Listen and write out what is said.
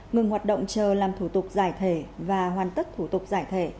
ngừng hoạt động chờ làm thủ tục giải thể và hoàn tất thủ tục giải thể